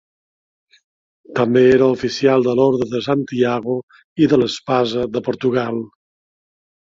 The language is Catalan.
També era oficial de l'Orde de Santiago i de l'Espasa, de Portugal.